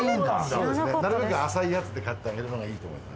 そうですねなるべく浅いやつで飼ってあげるのがいいと思います。